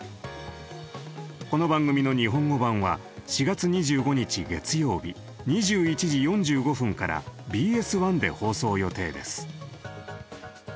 この番組の日本語版は４月２５日月曜日２１時４５分からＢＳ１で放送予定です。